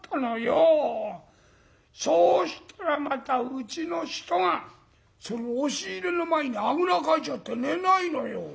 そうしたらまたうちの人がその押し入れの前にあぐらかいちゃって寝ないのよ。